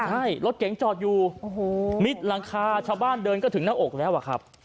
ใช่รถเก๋งจอดอยู่โอ้โหมิดหลังคาชาวบ้านเดินก็ถึงหน้าอกแล้วอะครับ